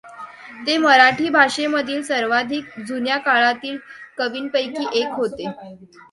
ते मराठी भाषेमधील सर्वाधिक जुन्या काळातील कवींपैकी एक होते.